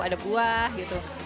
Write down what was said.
ada buah gitu